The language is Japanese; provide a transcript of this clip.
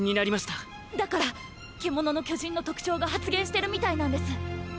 だから「獣の巨人」の特徴が発現してるみたいなんです。